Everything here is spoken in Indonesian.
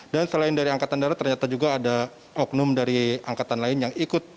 dan selain dari angkatan darah ternyata juga ada oknum dari angkatan lain yang ikut